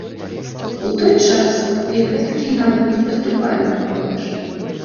У той час, як квіткі нават не паступалі ў продаж.